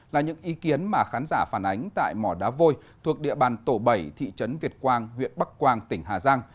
là những ý kiến mà khán giả phản ánh tại mỏ đá vôi thuộc địa bàn tổ bảy thị trấn việt quang huyện bắc quang tỉnh hà giang